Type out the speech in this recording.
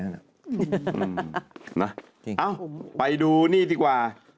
เอ้าไปดูนี่ดีกว่า